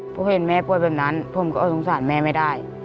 พอเห็นแม่ป่วยแบบนั้นผมก็สงสารแม่ไม่ได้